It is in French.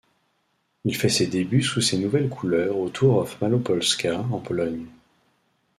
Il fait ses débuts sous ses nouvelles couleurs au Tour of Malopolska en Pologne.